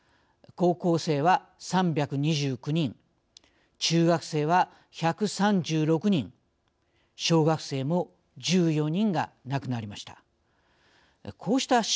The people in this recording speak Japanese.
高校生は３２９人中学生は１３６人小学生も１４人が亡くなりました。